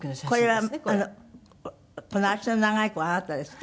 これはあのこの足の長い子はあなたですか？